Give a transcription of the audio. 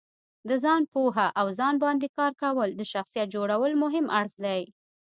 د ځانو پوهه او ځان باندې کار کول د شخصیت جوړولو مهم اړخ دی.